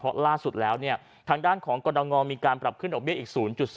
เพราะล่าสุดแล้วเนี่ยทางด้านของกรดงมีการปรับขึ้นดอกเบี้อีก๐๒